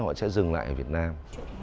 họ sẽ dừng lại ở việt nam